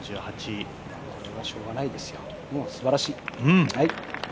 これはしょうがないですよ、すばらしい。